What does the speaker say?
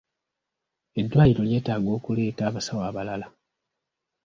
Eddwaliro lyetaaga okuleeta abasawo abalala.